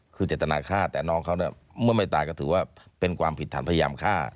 คือเจตนาฆ่าแต่น้องเขาเนี่ยเมื่อไม่ตายก็ถือว่าเป็นความผิดฐานพยายามฆ่า